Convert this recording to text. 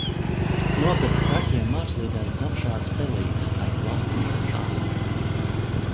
Nopirku kaķiem mākslīgās zamšādas pelītes ar plastmasas asti.